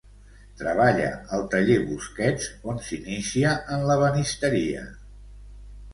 Treballa al taller Busquets on s'inicia en l'ebenisteria.